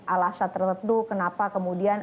alasan tertentu kenapa kemudian